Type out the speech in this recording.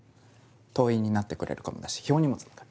党員になってくれるかもだし票にもつながる。